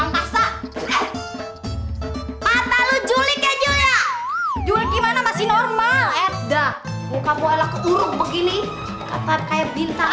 mata lu juli keju ya jual gimana masih normal eda muka buala keuruk begini kata kayak bintang